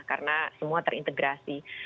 karena semua terintegrasi